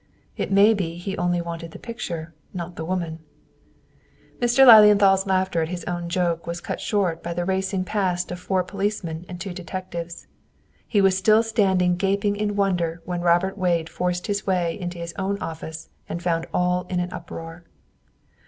It may be he only wanted the picture, not the woman!" Mr. Lilienthal's laughter at his own joke was cut short by the racing past of four policemen and two detectives. He was still standing gaping in wonder when Robert Wade forced his way into his own office and found all in an uproar.